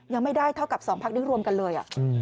ยังไม่ได้เท่ากับ๒พักนี้รวมกันเลย